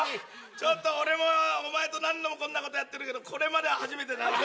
俺もお前と何度もこんなことやってるけどこれまでは初めてだな！